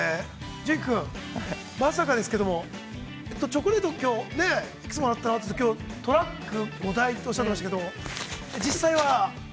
純喜君、まさかですけども、チョコレート、きょう、幾つもらったのって、きょうトラック５台とおっしゃっていましたけど、実際は。